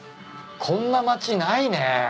こんな街ないね。